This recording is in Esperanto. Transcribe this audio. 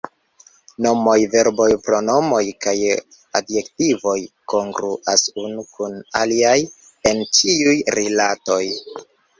Nomoj, verboj, pronomoj kaj adjektivoj kongruas unu kun aliaj en ĉiuj rilatoj.